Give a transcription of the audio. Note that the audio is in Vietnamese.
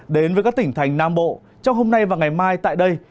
đến với các tỉnh thành nam bộ trong hôm nay và ngày mai tại đây